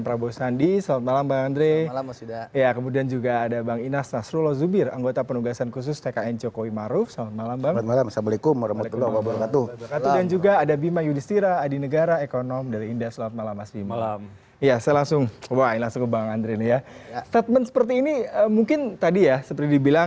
pembelajaran yang lain